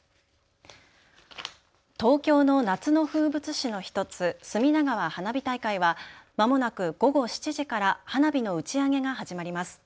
東京の夏の風物詩の１つ、隅田川花火大会はまもなく午後７時から花火の打ち上げが始まります。